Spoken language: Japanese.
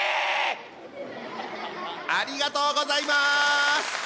ありがとうございます！